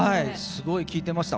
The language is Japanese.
すごい聴いてました。